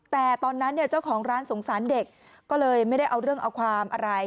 แต่ตอนนั้นเนี่ยเจ้าของร้านสงสารเด็กก็เลยไม่ได้เอาเรื่องเอาความอะไร